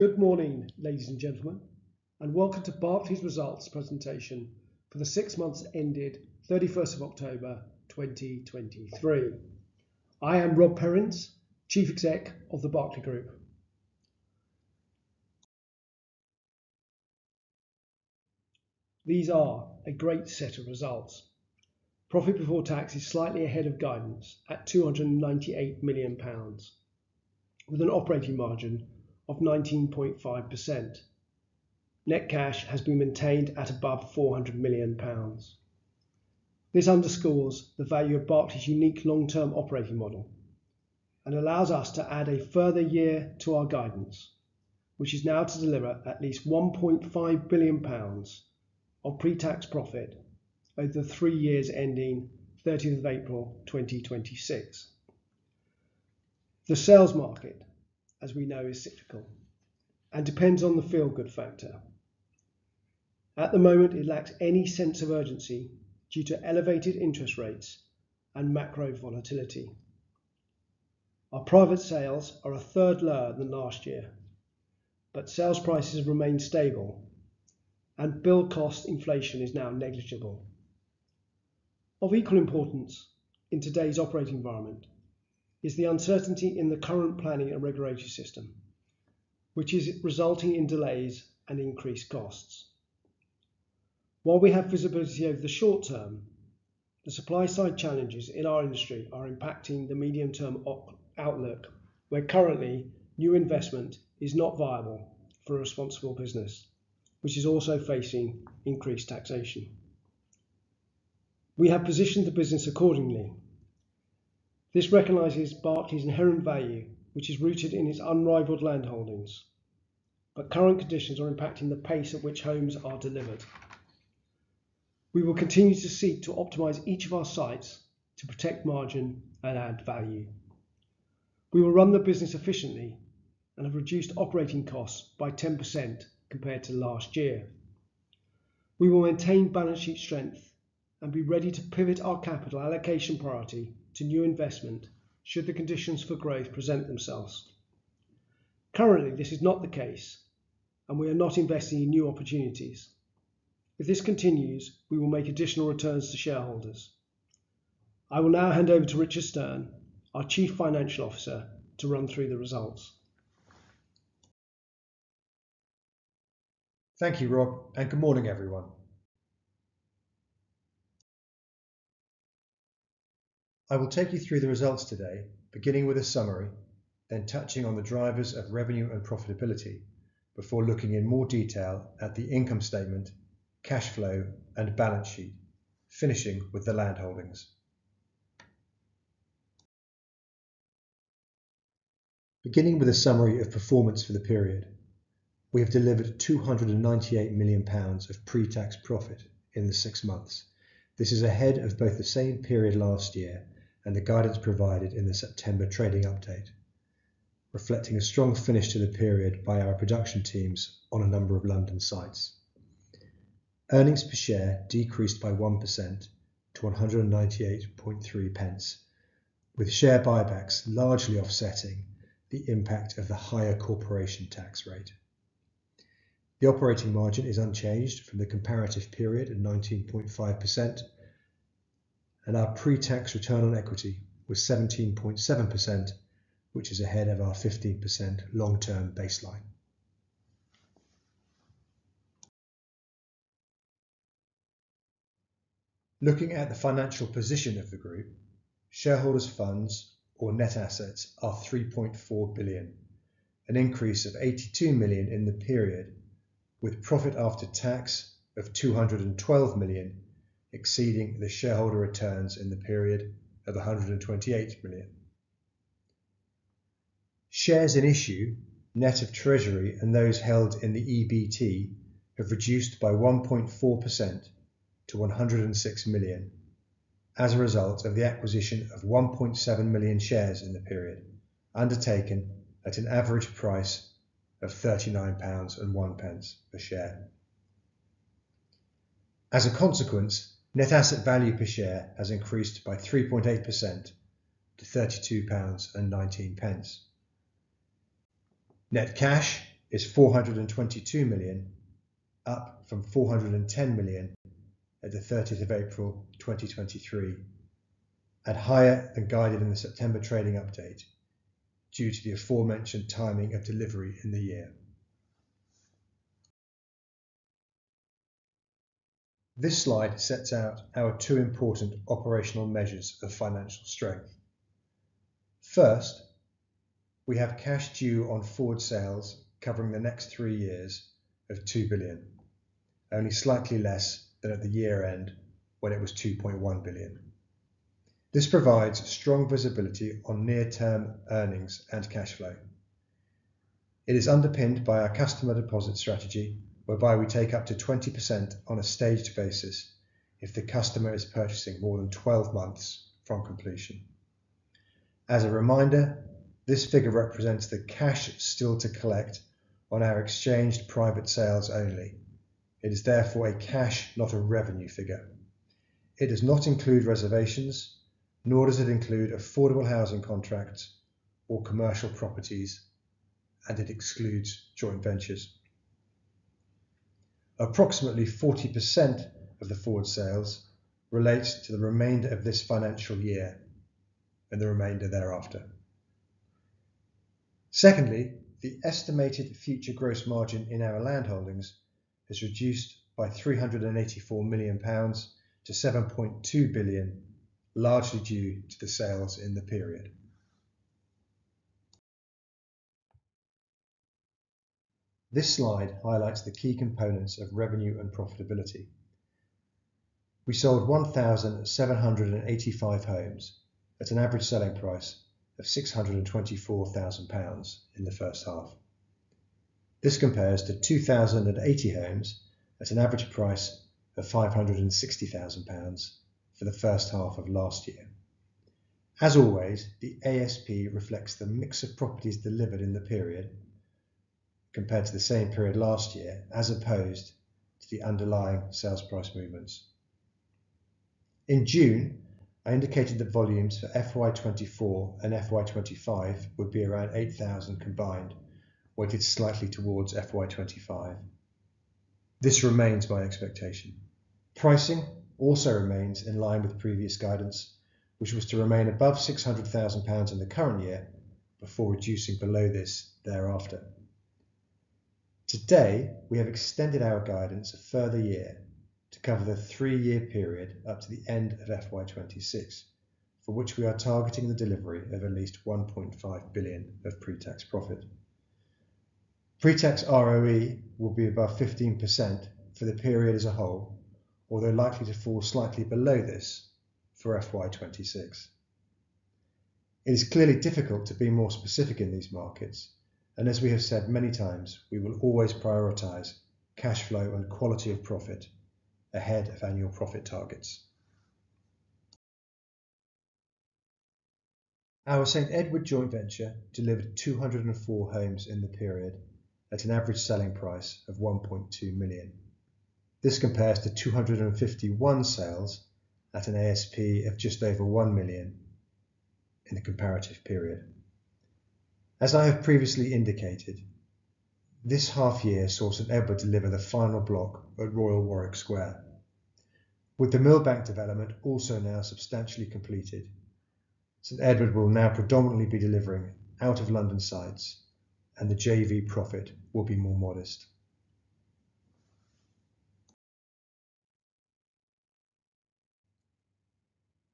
Good morning, ladies and gentlemen, and welcome to Berkeley's results presentation for the six months ended thirty-first of October, 2023. I am Rob Perrins, Chief Exec of the Berkeley Group. These are a great set of results. Profit before tax is slightly ahead of guidance at 298 million pounds, with an operating margin of 19.5%. Net cash has been maintained at above 400 million pounds. This underscores the value of Berkeley's unique long-term operating model and allows us to add a further year to our guidance, which is now to deliver at least 1.5 billion pounds of pre-tax profit over the three years ending thirtieth of April, 2026. The sales market, as we know, is cyclical and depends on the feel-good factor. At the moment, it lacks any sense of urgency due to elevated interest rates and macro volatility. Our private sales are a third lower than last year, but sales prices remain stable and build cost inflation is now negligible. Of equal importance in today's operating environment is the uncertainty in the current planning and regulatory system, which is resulting in delays and increased costs. While we have visibility over the short term, the supply side challenges in our industry are impacting the medium-term outlook, where currently new investment is not viable for a responsible business, which is also facing increased taxation. We have positioned the business accordingly. This recognizes Berkeley's inherent value, which is rooted in its unrivaled land holdings, but current conditions are impacting the pace at which homes are delivered. We will continue to seek to optimize each of our sites to protect margin and add value. We will run the business efficiently and have reduced operating costs by 10% compared to last year. We will maintain balance sheet strength and be ready to pivot our capital allocation priority to new investment should the conditions for growth present themselves. Currently, this is not the case, and we are not investing in new opportunities. If this continues, we will make additional returns to shareholders. I will now hand over to Richard Stearn, our Chief Financial Officer, to run through the results. Thank you, Rob, and good morning, everyone. I will take you through the results today, beginning with a summary, then touching on the drivers of revenue and profitability, before looking in more detail at the income statement, cash flow, and balance sheet, finishing with the land holdings. Beginning with a summary of performance for the period, we have delivered 298 million pounds of pre-tax profit in the six months. This is ahead of both the same period last year and the guidance provided in the September trading update, reflecting a strong finish to the period by our production teams on a number of London sites. Earnings per share decreased by 1% to 198.3 pence, with share buybacks largely offsetting the impact of the higher corporation tax rate. The operating margin is unchanged from the comparative period at 19.5%, and our pre-tax return on equity was 17.7%, which is ahead of our 15% long-term baseline. Looking at the financial position of the group, shareholders funds or net assets are 3.4 billion, an increase of 82 million in the period, with profit after tax of 212 million, exceeding the shareholder returns in the period of 128 million. Shares in issue, net of treasury and those held in the EBT, have reduced by 1.4% to 106 million as a result of the acquisition of 1.7 million shares in the period, undertaken at an average price of 39.01 pounds per share. As a consequence, net asset value per share has increased by 3.8% to 32.19 pounds. Net cash is 422 million, up from 410 million at the 30th of April, 2023, and higher than guided in the September trading update due to the aforementioned timing of delivery in the year. This slide sets out our two important operational measures of financial strength. First, we have cash due on forward sales covering the next three years of 2 billion, only slightly less than at the year-end, when it was 2.1 billion. This provides strong visibility on near-term earnings and cash flow. It is underpinned by our customer deposit strategy, whereby we take up to 20% on a staged basis if the customer is purchasing more than 12 months from completion. As a reminder, this figure represents the cash still to collect on our exchanged private sales only. It is therefore a cash, not a revenue figure. It does not include reservations, nor does it include affordable housing contracts or commercial properties, and it excludes joint ventures. Approximately 40% of the forward sales relates to the remainder of this financial year and the remainder thereafter. Secondly, the estimated future gross margin in our land holdings has reduced by 384 million pounds to 7.2 billion, largely due to the sales in the period. This slide highlights the key components of revenue and profitability. We sold 1,785 homes at an average selling price of 624,000 pounds in the first half. This compares to 2,080 homes at an average price of 560,000 pounds for the first half of last year. As always, the ASP reflects the mix of properties delivered in the period, compared to the same period last year, as opposed to the underlying sales price movements. In June, I indicated that volumes for FY 2024 and FY 2025 would be around 8,000 combined, weighted slightly towards FY 2025. This remains my expectation. Pricing also remains in line with previous guidance, which was to remain above 600,000 pounds in the current year before reducing below this thereafter. Today, we have extended our guidance a further year to cover the three-year period up to the end of FY 2026, for which we are targeting the delivery of at least 1.5 billion of pre-tax profit. Pre-tax ROE will be above 15% for the period as a whole, although likely to fall slightly below this for FY 2026. It is clearly difficult to be more specific in these markets, and as we have said many times, we will always prioritize cash flow and quality of profit ahead of annual profit targets. Our St Edward joint venture delivered 204 homes in the period at an average selling price of 1.2 million. This compares to 251 sales at an ASP of just over 1 million in the comparative period. As I have previously indicated, this half year saw St Edward deliver the final block at Royal Warwick Square. With the Millbank development also now substantially completed, St Edward will now predominantly be delivering out of London sites, and the JV profit will be more modest.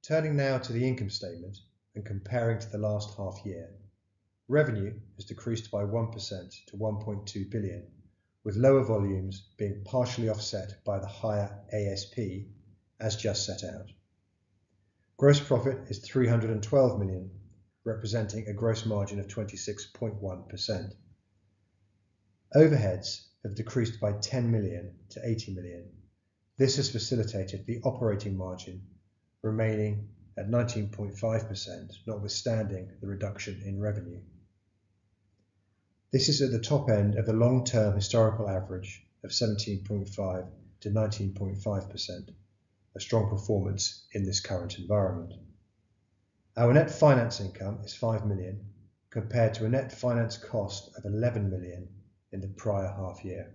Turning now to the income statement and comparing to the last half year, revenue has decreased by 1% to 1.2 billion, with lower volumes being partially offset by the higher ASP, as just set out. Gross profit is 312 million, representing a gross margin of 26.1%. Overheads have decreased by 10 million to 80 million. This has facilitated the operating margin remaining at 19.5%, notwithstanding the reduction in revenue. This is at the top end of the long-term historical average of 17.5%-19.5%, a strong performance in this current environment. Our net finance income is 5 million, compared to a net finance cost of 11 million in the prior half year.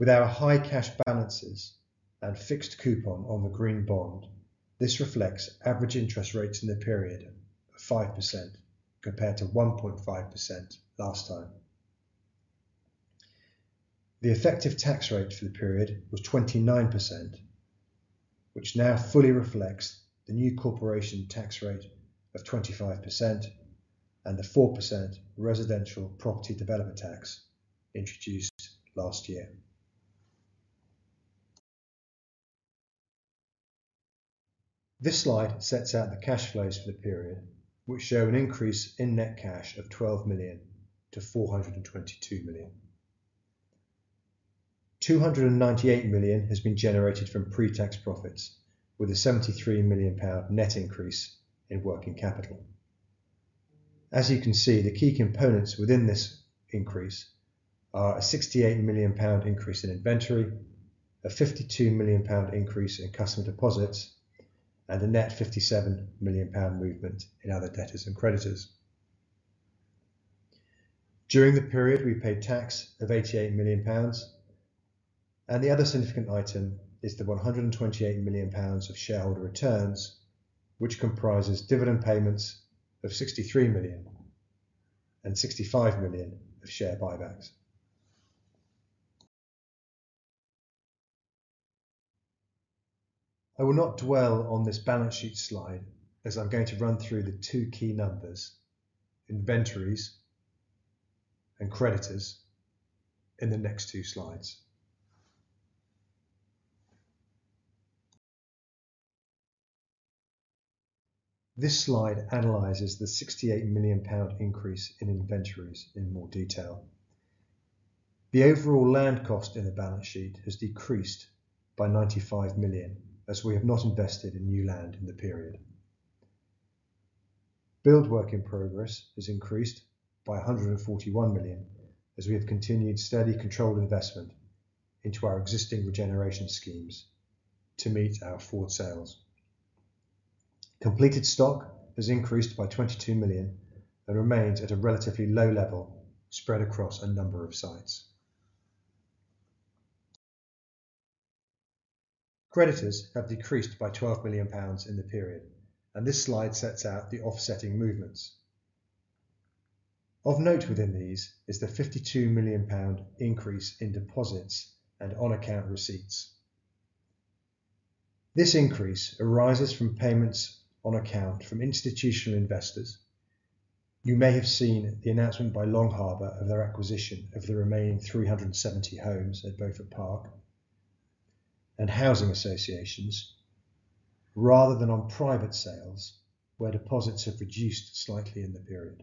With our high cash balances and fixed coupon on the green bond, this reflects average interest rates in the period of 5%, compared to 1.5% last time. The effective tax rate for the period was 29%, which now fully reflects the new corporation tax rate of 25% and the 4% residential property development tax introduced last year. This slide sets out the cash flows for the period, which show an increase in net cash of 12 million to 422 million. 298 million has been generated from pre-tax profits, with a 73 million pound net increase in working capital. As you can see, the key components within this increase are a 68 million pound increase in inventory, a 52 million pound increase in customer deposits, and a net 57 million pound movement in other debtors and creditors. During the period, we paid tax of 88 million pounds, and the other significant item is the 128 million pounds of shareholder returns, which comprises dividend payments of 63 million and 65 million of share buybacks. I will not dwell on this balance sheet slide as I'm going to run through the two key numbers, inventories and creditors, in the next two slides. This slide analyzes the 68 million pound increase in inventories in more detail. The overall land cost in the balance sheet has decreased by 95 million, as we have not invested in new land in the period. Build work in progress has increased by 141 million, as we have continued steady, controlled investment into our existing regeneration schemes to meet our forward sales. Completed stock has increased by 22 million, and remains at a relatively low level, spread across a number of sites. Creditors have decreased by 12 million pounds in the period, and this slide sets out the offsetting movements. Of note within these is the 52 million pound increase in deposits and on-account receipts. This increase arises from payments on account from institutional investors. You may have seen the announcement by Long Harbour of their acquisition of the remaining 370 homes at Beaufort Park and housing associations, rather than on private sales, where deposits have reduced slightly in the period.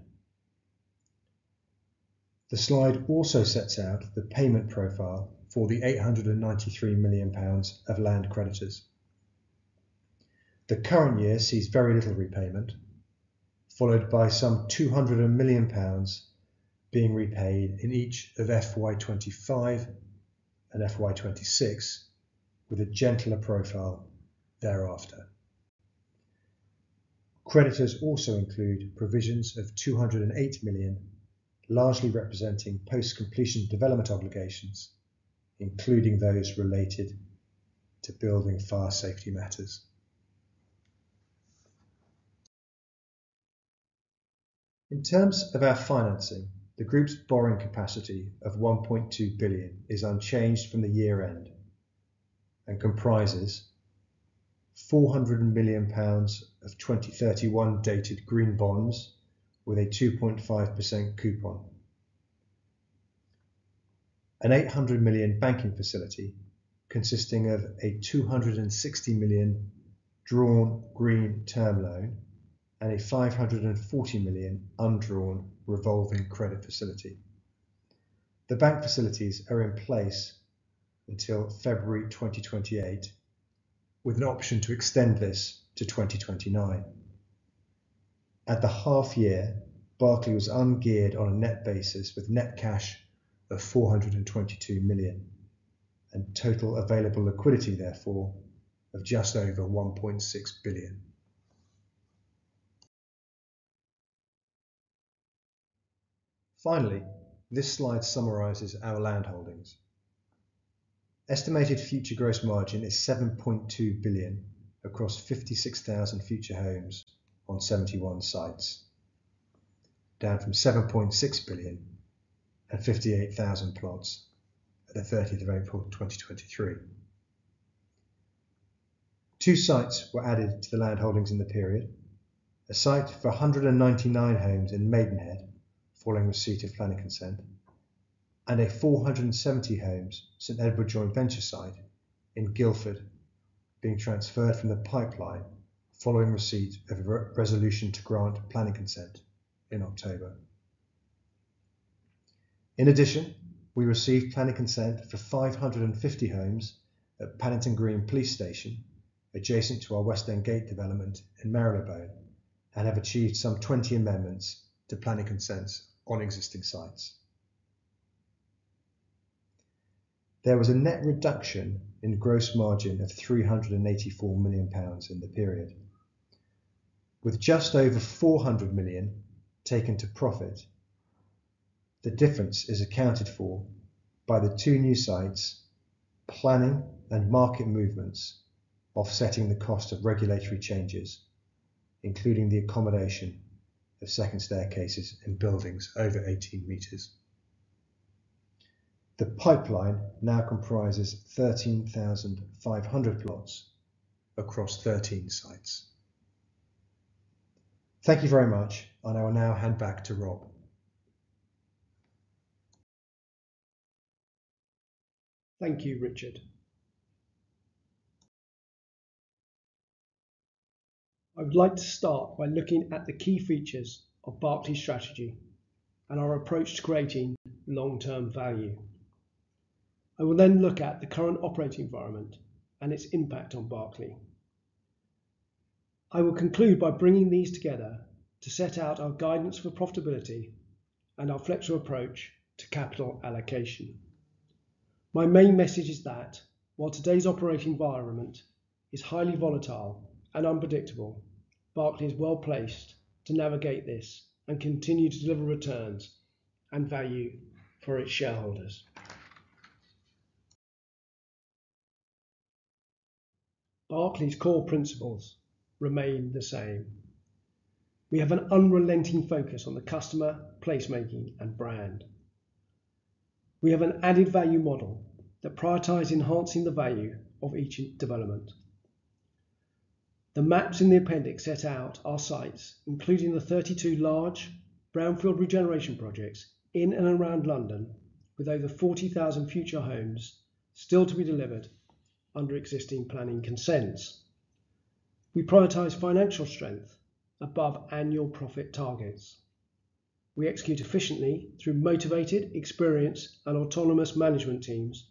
The slide also sets out the payment profile for the 893 million pounds of land creditors. The current year sees very little repayment, followed by some 200 million pounds being repaid in each of FY 2025 and FY 2026, with a gentler profile thereafter. Creditors also include provisions of 208 million, largely representing post-completion development obligations, including those related to building fire safety matters. In terms of our financing, the group's borrowing capacity of 1.2 billion is unchanged from the year end, and comprises 400 million pounds of 2031-dated green bonds with a 2.5% coupon. An 800 million banking facility consisting of a 260 million drawn green term loan, and a 540 million undrawn revolving credit facility. The bank facilities are in place until February 2028, with an option to extend this to 2029. At the half year, Berkeley was ungeared on a net basis, with net cash of 422 million, and total available liquidity, therefore, of just over 1.6 billion. Finally, this slide summarizes our land holdings. Estimated future gross margin is 7.2 billion across 56,000 future homes on 71 sites, down from 7.6 billion and 58,000 plots at the 30th of April, 2023. Two sites were added to the land holdings in the period. A site for 199 homes in Maidenhead, following receipt of planning consent, and a 470-home St Edward Joint Venture site in Guildford being transferred from the pipeline following receipt of a re-resolution to grant planning consent in October. In addition, we received planning consent for 550 homes at Paddington Green Police Station, adjacent to our West End Gate development in Marylebone, and have achieved some 20 amendments to planning consents on existing sites. There was a net reduction in gross margin of 384 million pounds in the period, with just over 400 million taken to profit. The difference is accounted for by the two new sites, planning and market movements, offsetting the cost of regulatory changes, including the accommodation of second staircases in buildings over 18 meters. The pipeline now comprises 13,500 plots across 13 sites. Thank you very much, and I will now hand back to Rob. Thank you, Richard. I would like to start by looking at the key features of Berkeley's strategy and our approach to creating long-term value. I will then look at the current operating environment and its impact on Berkeley. I will conclude by bringing these together to set out our guidance for profitability and our flexible approach to capital allocation. My main message is that while today's operating environment is highly volatile and unpredictable, Berkeley is well-placed to navigate this and continue to deliver returns and value for its shareholders. Berkeley's core principles remain the same. We have an unrelenting focus on the customer, placemaking, and brand. We have an added value model that prioritizes enhancing the value of each development. The maps in the appendix set out our sites, including the 32 large brownfield regeneration projects in and around London, with over 40,000 future homes still to be delivered under existing planning consents. We prioritize financial strength above annual profit targets. We execute efficiently through motivated, experienced, and autonomous management teams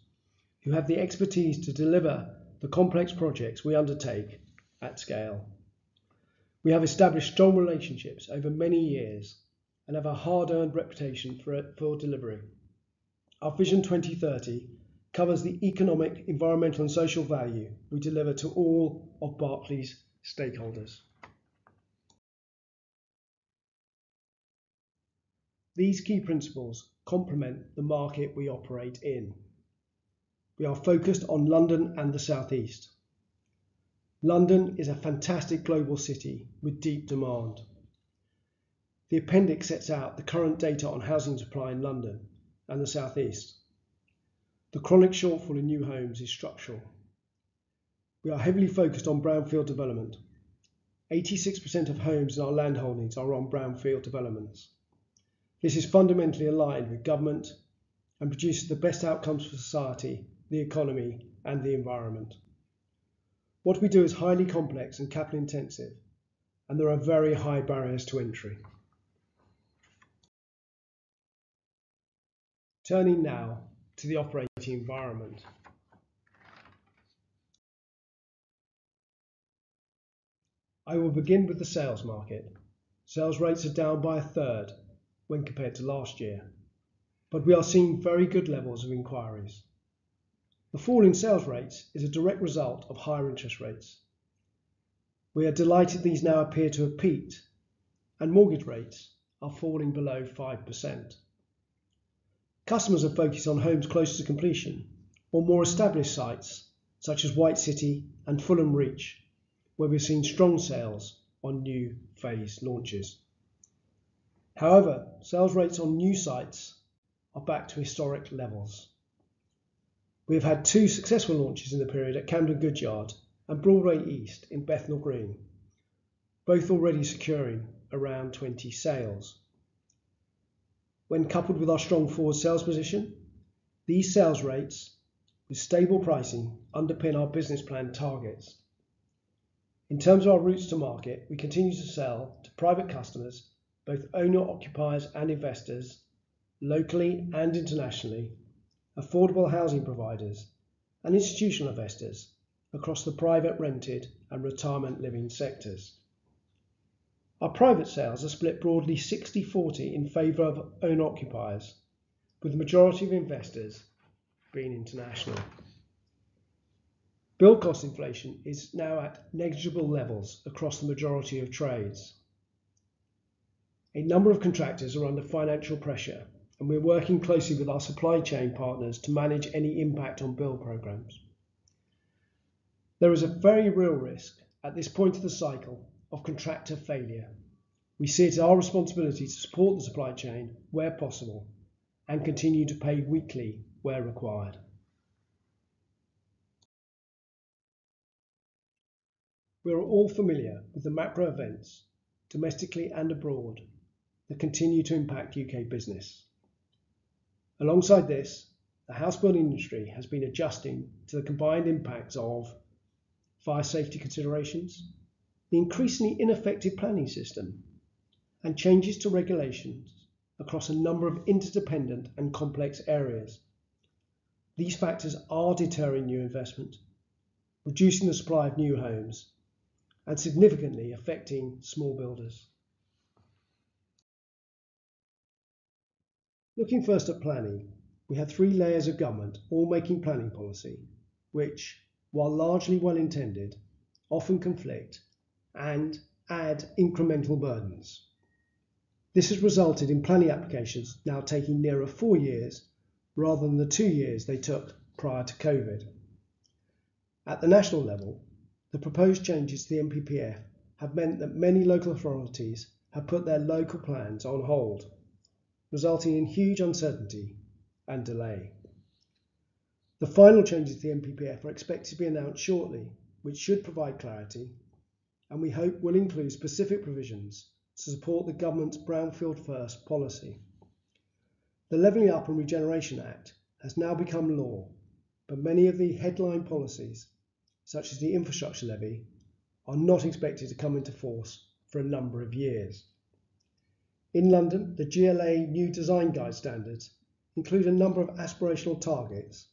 who have the expertise to deliver the complex projects we undertake at scale. We have established strong relationships over many years and have a hard-earned reputation for delivering. Our Vision 2030 covers the economic, environmental, and social value we deliver to all of Berkeley's stakeholders. These key principles complement the market we operate in. We are focused on London and the South East. London is a fantastic global city with deep demand. The appendix sets out the current data on housing supply in London and the South East. The chronic shortfall in new homes is structural. We are heavily focused on brownfield development. 86% of homes in our land holdings are on brownfield developments. This is fundamentally aligned with government and produces the best outcomes for society, the economy, and the environment. What we do is highly complex and capital intensive, and there are very high barriers to entry. Turning now to the operating environment. I will begin with the sales market. Sales rates are down by a third when compared to last year, but we are seeing very good levels of inquiries. The fall in sales rates is a direct result of higher interest rates. We are delighted these now appear to have peaked, and mortgage rates are falling below 5%. Customers are focused on homes closer to completion or more established sites, such as White City and Fulham Reach, where we've seen strong sales on new phase launches. However, sales rates on new sites are back to historic levels. We have had two successful launches in the period at Camden Goods Yard and Broadway East in Bethnal Green, both already securing around 20 sales. When coupled with our strong forward sales position, these sales rates with stable pricing underpin our business plan targets. In terms of our routes to market, we continue to sell to private customers, both owner-occupiers and investors, locally and internationally, affordable housing providers, and institutional investors across the private, rented, and retirement living sectors. Our private sales are split broadly 60/40 in favor of own occupiers, with the majority of investors being international. Build cost inflation is now at negligible levels across the majority of trades. A number of contractors are under financial pressure, and we're working closely with our supply chain partners to manage any impact on build programs. There is a very real risk at this point of the cycle of contractor failure. We see it as our responsibility to support the supply chain where possible and continue to pay weekly where required. We are all familiar with the macro events, domestically and abroad, that continue to impact U.K. business. Alongside this, the housebuilding industry has been adjusting to the combined impacts of fire safety considerations, the increasingly ineffective planning system, and changes to regulations across a number of interdependent and complex areas. These factors are deterring new investment, reducing the supply of new homes, and significantly affecting small builders. Looking first at planning, we have three layers of government all making planning policy, which, while largely well-intended, often conflict and add incremental burdens. This has resulted in planning applications now taking nearer four years, rather than the two years they took prior to COVID. At the national level, the proposed changes to the NPPF have meant that many local authorities have put their local plans on hold, resulting in huge uncertainty and delay. The final changes to the NPPF are expected to be announced shortly, which should provide clarity and we hope will include specific provisions to support the government's Brownfield First policy. The Levelling-up and Regeneration Act has now become law, but many of the headline policies, such as the infrastructure levy, are not expected to come into force for a number of years. In London, the GLA new design guide standards include a number of aspirational targets,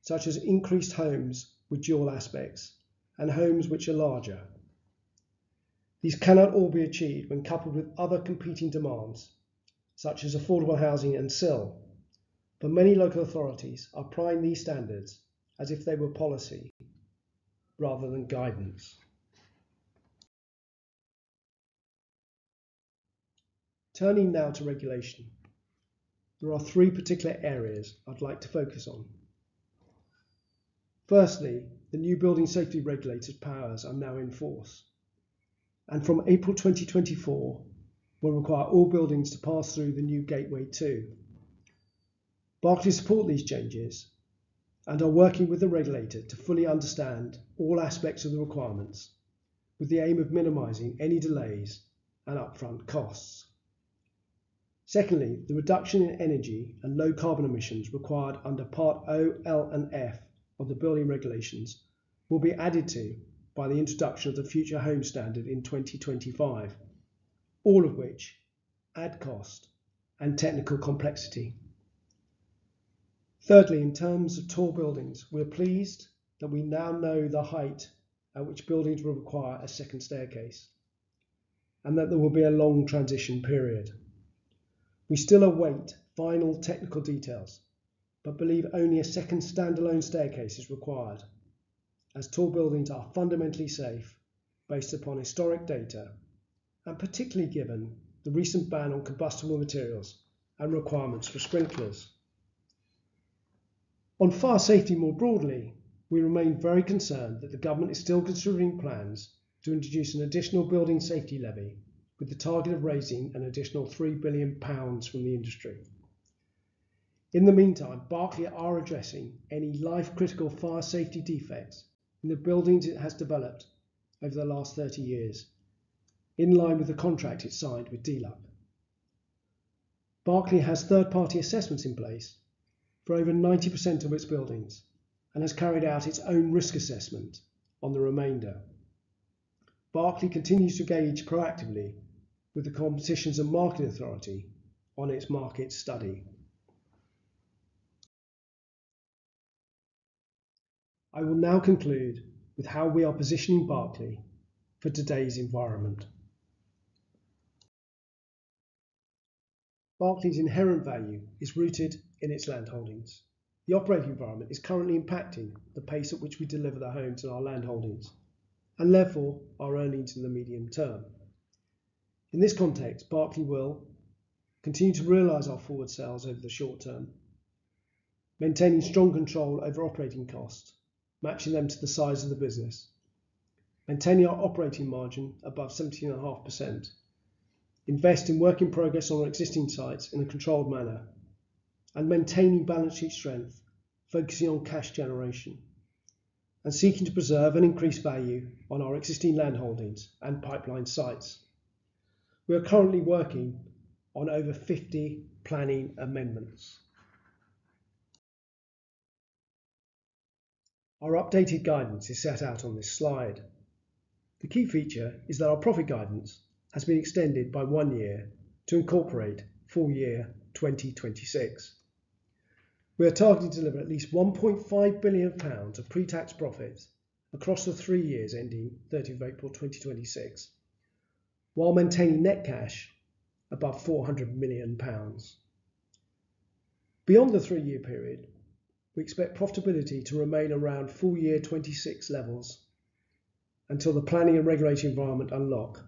such as increased homes with dual aspects and homes which are larger. These cannot all be achieved when coupled with other competing demands, such as affordable housing and CIL, but many local authorities are applying these standards as if they were policy rather than guidance. Turning now to regulation, there are three particular areas I'd like to focus on. Firstly, the new Building Safety Regulator powers are now in force, and from April 2024 will require all buildings to pass through the new Gateway Two. Berkeley support these changes and are working with the regulator to fully understand all aspects of the requirements, with the aim of minimizing any delays and upfront costs. Secondly, the reduction in energy and low carbon emissions required under Part O, L, and F of the building regulations will be added to by the introduction of the Future Homes Standard in 2025, all of which add cost and technical complexity. Thirdly, in terms of tall buildings, we are pleased that we now know the height at which buildings will require a second staircase, and that there will be a long transition period. We still await final technical details, but believe only a second standalone staircase is required, as tall buildings are fundamentally safe based upon historic data, and particularly given the recent ban on combustible materials and requirements for sprinklers. On fire safety more broadly, we remain very concerned that the government is still considering plans to introduce an additional Building Safety Levy, with the target of raising an additional 3 billion pounds from the industry. In the meantime, Berkeley are addressing any life-critical fire safety defects in the buildings it has developed over the last 30 years, in line with the contract it signed with DLUHC. Berkeley has third-party assessments in place for over 90% of its buildings and has carried out its own risk assessment on the remainder. Berkeley continues to engage proactively with the Competition and Markets Authority on its market study. I will now conclude with how we are positioning Berkeley for today's environment. Berkeley's inherent value is rooted in its land holdings. The operating environment is currently impacting the pace at which we deliver the homes on our land holdings, and therefore our earnings in the medium term. In this context, Berkeley will continue to realize our forward sales over the short term, maintaining strong control over operating costs, matching them to the size of the business, maintaining our operating margin above 17.5%, invest in work in progress on our existing sites in a controlled manner, and maintaining balance sheet strength, focusing on cash generation, and seeking to preserve and increase value on our existing land holdings and pipeline sites. We are currently working on over 50 planning amendments. Our updated guidance is set out on this slide. The key feature is that our profit guidance has been extended by one year to incorporate full year 2026. We are targeting to deliver at least 1.5 billion pounds of pre-tax profits across the three years ending 30 April 2026, while maintaining net cash above 400 million pounds. Beyond the three-year period, we expect profitability to remain around full year 2026 levels until the planning and regulation environment unlock,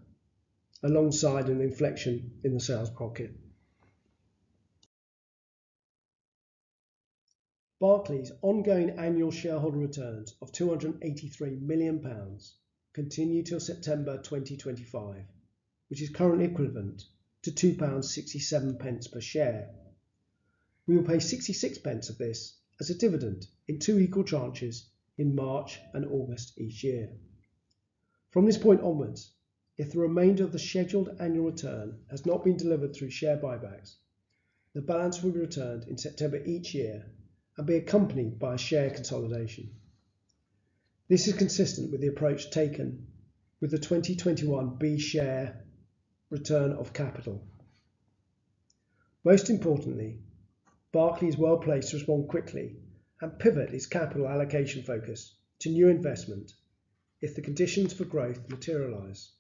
alongside an inflection in the sales market. Berkeley's ongoing annual shareholder returns of GBP 283 million continue till September 2025, which is currently equivalent to 2.67 pounds per share. We will pay 0.66 of this as a dividend in two equal tranches in March and August each year. From this point onwards, if the remainder of the scheduled annual return has not been delivered through share buybacks, the balance will be returned in September each year and be accompanied by a share consolidation. This is consistent with the approach taken with the 2021 B share return of capital. Most importantly, Berkeley is well placed to respond quickly and pivot its capital allocation focus to new investment if the conditions for growth materialize.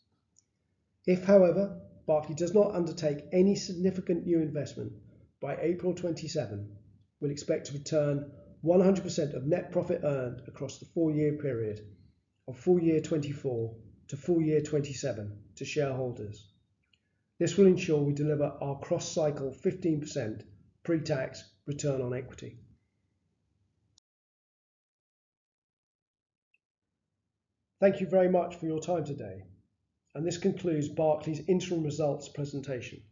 If, however, Berkeley does not undertake any significant new investment by April 2027, we'll expect to return 100% of net profit earned across the four-year period of full year 2024 to full year 2027 to shareholders. This will ensure we deliver our cross-cycle 15% pre-tax return on equity. Thank you very much for your time today, and this concludes Berkeley's interim results presentation.